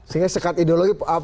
sehingga sekat ideologi